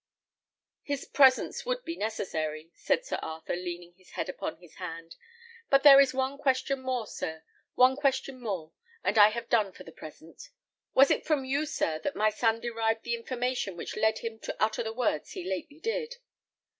"His presence would be necessary," said Sir Arthur, leaning his head upon his hand. "But there is one question more, sir; one question more, and I have done for the present. Was it from you, sir, that my son derived the information which led him to utter the words he lately did?"